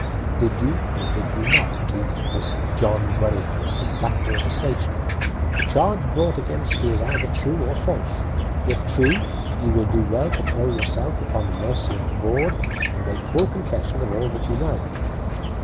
"Did you, or did you not, meet Mr. John Dwerrihouse at Blackwater station? The charge brought against you is either true or false. If true, you will do well to throw yourself upon the mercy of the board and make full confession of all that you know."